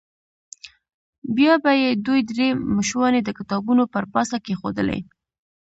بیا به یې دوې درې مشواڼۍ د کتابونو پر پاسه کېښودلې.